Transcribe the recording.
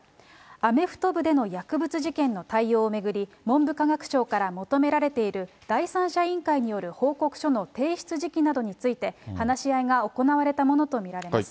アメフト部での薬物事件の対応を巡り、文部科学省から求められている第三者委員会による報告書の提出時期などについて、話し合いが行われたものと見られます。